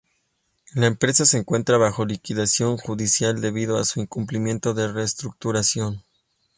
La empresa se encuentras bajo liquidación judicial debido a su incumplimiento de reestructuración.